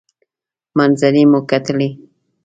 منظرې مو کتلې.